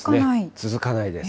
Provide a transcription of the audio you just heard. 続かないです。